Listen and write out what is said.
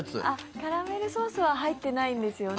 カラメルソースは入ってないんですよね。